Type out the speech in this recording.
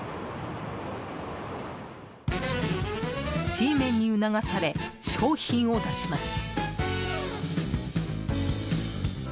Ｇメンに促され商品を出します。